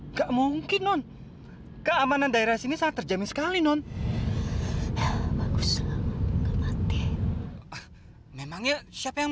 enggak mungkin non keamanan daerah sini sangat terjamin sekali non bagus mati memang ya siapa yang